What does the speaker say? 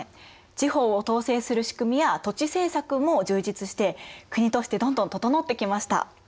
地方を統制する仕組みや土地政策も充実して国としてどんどん整ってきました。